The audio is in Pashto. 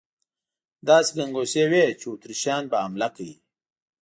داسې ګنګوسې وې چې اتریشیان به حمله کوي.